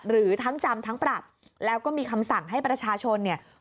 หรือทั้งจำทั้งปรับแล้วก็มีคำสั่งให้ประชาชนเนี่ย